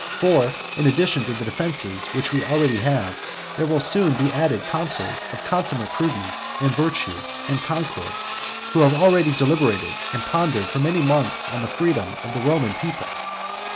For, in addition to the defences which we already have, there will soon be added consuls of consummate prudence, and virtue, and concord, who have already deliberated and pondered for many months on the freedom of the Roman people.